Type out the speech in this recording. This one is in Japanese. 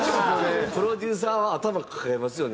プロデューサーは頭抱えますよね。